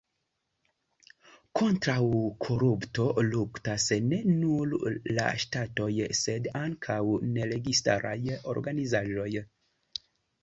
Kontraŭ korupto luktas ne nur la ŝtatoj, sed ankaŭ neregistaraj organizaĵoj.